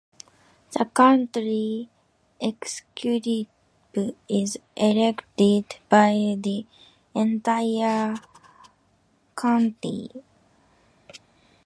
The county executive is elected by the entire county.